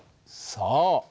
そう。